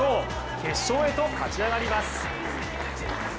決勝へと勝ち上がります。